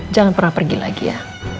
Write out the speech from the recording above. jangan pernah pergi lagi ya